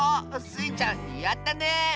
スイちゃんやったね！